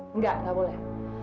enggak gak boleh